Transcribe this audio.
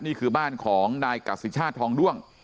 นี่คือบ้านของนายกสิชาติทองด้วง